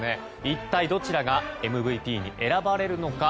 一体どちらがＭＶＰに選ばれるのか。